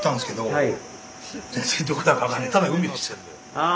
ああ！